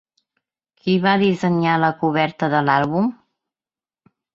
Qui va dissenyar la coberta de l'àlbum?